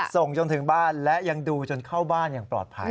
ส่งจนถึงบ้านและยังดูจนเข้าบ้านอย่างปลอดภัย